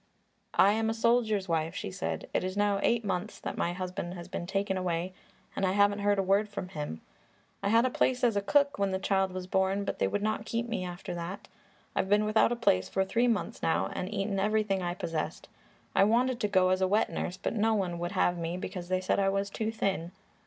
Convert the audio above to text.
"I am a soldier's wife," she said. "It is now eight months that my husband has been taken away and I haven't heard a word from him. I had a place as a cook when the child was born, but they would not keep me after that. I've been without a place for three months now and eaten everything I possessed. I wanted to go as a wet nurse, but no one would have me because they said I was too thin.